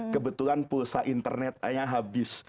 kebetulan pulsa internetnya habis